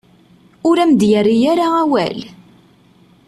Ur am-d-yerri ara awal?